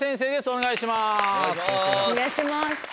お願いします。